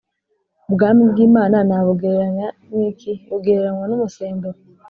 ubwami bw imana nabugereranya n iki bugereranywa n umusemburo